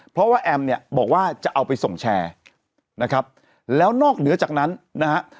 เพราะว่าแอมเนี่ยบอกว่าจะเอาไปส่งแชร์นะครับแล้วนอกเหนือจากนั้นนะฮะ